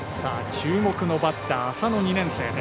注目のバッター、浅野、２年生。